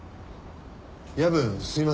夜分すみません。